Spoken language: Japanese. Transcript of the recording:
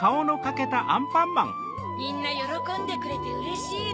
みんなよろこんでくれてうれしいな。